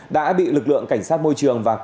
đã bị lực lượng cảnh sát môi trường và quán